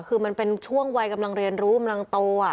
คือเป็นช่วงวัยกำลังเรียนรู้มหลังโตอ่ะ